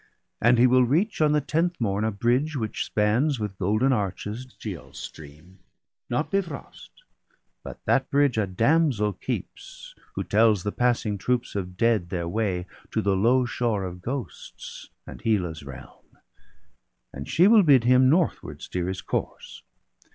And he will reach on the tenth morn a bridge Which spans with golden arches Giall's stream, Not Bifrost, but that bridge a damsel keeps. Who tells the passing troops of dead their way To the low shore of ghosts, and Hela's realm. And she will bid him northward steer his course.